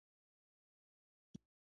اوړه د ښځو د مهارت اندازه ده